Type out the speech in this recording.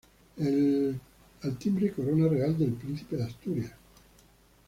Al timbre corona real del Príncipe de Asturias.